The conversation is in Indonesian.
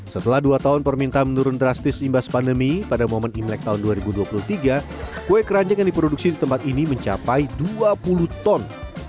setelah dua tahun permintaan menurun drastis imbas pandemi pada momen imlek tahun dua ribu dua puluh tiga kue keranjang yang diproduksi di tempat ini mencapai dua puluh ton